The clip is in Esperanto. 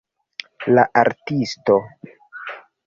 La artisto